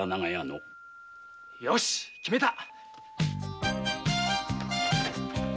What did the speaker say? よし決めた。